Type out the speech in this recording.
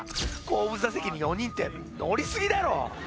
後部座席に４人って乗りすぎだろ！